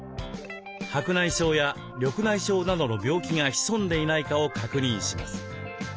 白内障や緑内障などの病気が潜んでいないかを確認します。